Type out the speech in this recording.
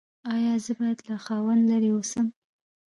ایا زه باید له خاوند لرې اوسم؟